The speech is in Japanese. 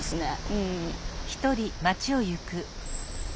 うん。